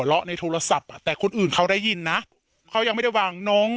ละในโทรศัพท์อ่ะแต่คนอื่นเขาได้ยินนะเขายังไม่ได้วางน้อง